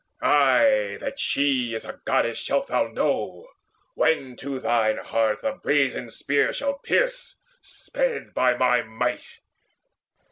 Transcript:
Ay, that she is a Goddess shalt thou know When to thine heart the brazen spear shall pierce Sped by my might.